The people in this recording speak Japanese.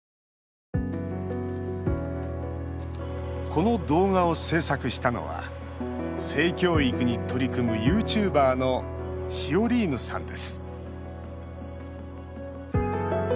この動画を制作したのは性教育に取り組むユーチューバーのシオリーヌさんです。